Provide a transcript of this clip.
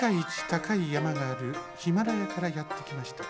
たかいやまがあるヒマラヤからやってきました。